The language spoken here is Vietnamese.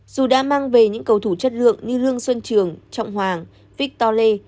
dù đã mang về những cầu thủ chất lượng như lương xuân trường trọng hoàng victor lê